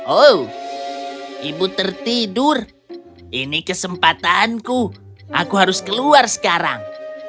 oh ibu tertidur ini kesempatanku aku harus keluar sekarang